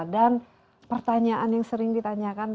dan pertanyaan yang sering ditanyakan